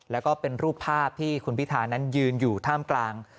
แล้วก็เป็นรูปภาพที่คุณพิธานั้นยืนอยู่ท่ามกลาง